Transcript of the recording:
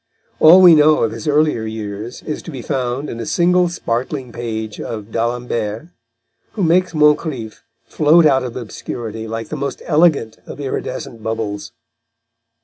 All we know of his earlier years is to be found in a single sparkling page of d'Alembert, who makes Moncrif float out of obscurity like the most elegant of iridescent bubbles.